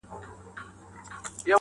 سړي وویل کالیو ته مي ګوره !.